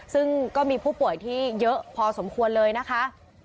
ซึ่งก็มีผู้ป่วยที่เยอะพอสมควรเลยนะคะ